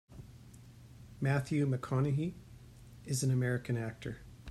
Matthew McConaughey is an American actor.